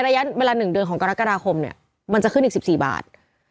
ระยะ๑เดือนของกรกฎาคมเข้าสายออกจะขึ้นอีก๑๔บาท